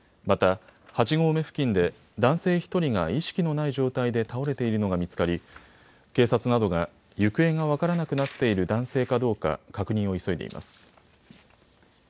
また、８合目付近で男性１人が意識のない状態で倒れているのが見つかり警察などが行方が分からなくなっている男性かどうか確認を急いでいます。